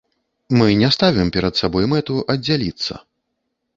Мы не ставім перад сабой мэту аддзяліцца.